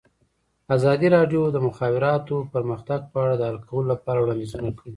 ازادي راډیو د د مخابراتو پرمختګ په اړه د حل کولو لپاره وړاندیزونه کړي.